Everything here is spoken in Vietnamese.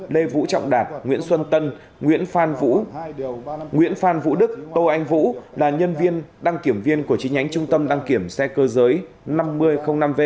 lê vũ trọng đạt nguyễn xuân tân nguyễn phan vũ nguyễn phan vũ đức tô anh vũ là nhân viên đăng kiểm viên của chi nhánh trung tâm đăng kiểm xe cơ giới năm nghìn năm v